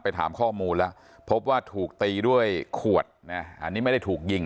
ถามข้อมูลแล้วพบว่าถูกตีด้วยขวดนะอันนี้ไม่ได้ถูกยิง